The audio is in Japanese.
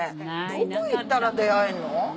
どこ行ったら出会えんの？